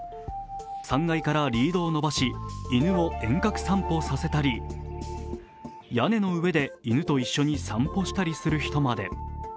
３階からリードを伸ばし犬を遠隔散歩させたり、屋根の上で犬と一緒に散歩したりする人まで。